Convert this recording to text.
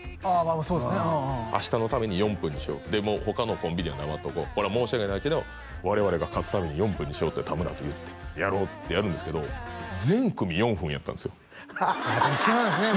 うんうん明日のために４分にしようでも他のコンビには黙っとこうこれは申し訳ないけど我々が勝つために４分にしようって田村と言ってやろうってやるんですけど全組４分やったんですよ一緒なんですね